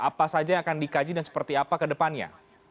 apa saja yang akan dikaji dan seperti apa ke depannya